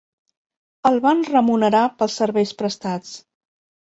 El van remunerar pels serveis prestats.